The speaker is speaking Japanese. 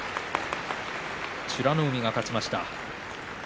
美ノ海が勝ちました。